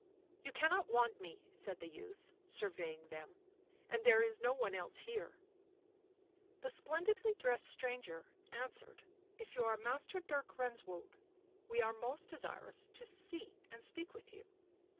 " You cannot want me," said the youth, surveying them. 11 And there is no one else here." The splendidly dressed stranger answered —" If you are Master Dirk Renswoude, we are most desirous to see and speak with you."